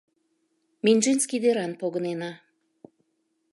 Менжинский деран погынена.